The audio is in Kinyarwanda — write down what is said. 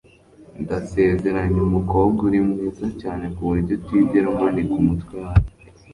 Ndasezeranye UMUKOBWA uri mwiza cyane kuburyo utigera umanika umutwe hasi